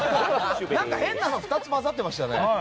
何か変なのが２つ混ざってますね。